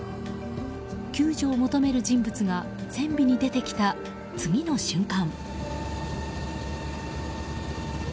救助を求める人物が船尾に出てきた次の瞬間。